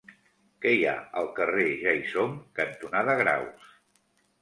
Què hi ha al carrer Ja-hi-som cantonada Graus?